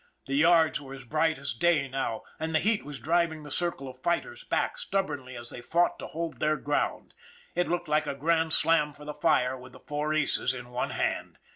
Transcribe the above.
The yards were as bright as day now, and the heat was driving the circle of fighters back, stubbornly as they fought to hold their ground. It looked like a grand slam for the fire with the four aces in one hand.